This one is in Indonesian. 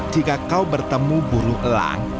jika kau bertemu burung elang